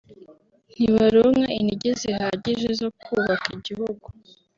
ntibaronka intege zihagije zo kubaka igihugu